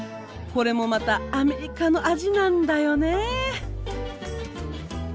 これもまたアメリカの味なんだよねぇ。